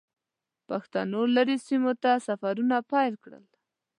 پښتنو لرې سیمو ته سفرونه پیل کړل.